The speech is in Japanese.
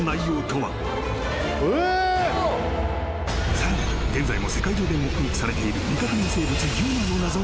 ［さらに現在も世界中で目撃されている未確認生物ＵＭＡの］